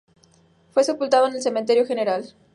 Fue sepultado en el Cementerio General.